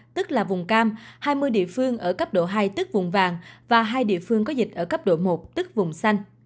tức là vùng cam hai mươi địa phương ở cấp độ hai tức vùng vàng và hai địa phương có dịch ở cấp độ một tức vùng xanh